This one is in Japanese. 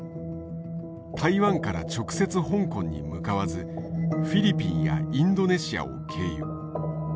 台湾から直接香港に向かわずフィリピンやインドネシアを経由。